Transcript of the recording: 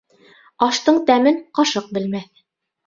Аштың тәмен ҡашыҡ белмәҫ.